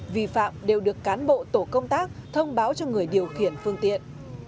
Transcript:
vi phạm đều được cán bộ tổ công tác thông báo cho người điều khiển phương tiện